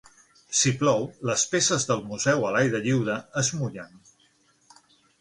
Si plou, les peces del museu a l'aire lliure es mullen.